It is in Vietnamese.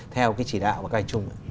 theo chỉ đạo và các hành trung